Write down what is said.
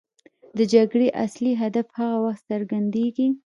د جګړې اصلي هدف هغه وخت څرګندېږي.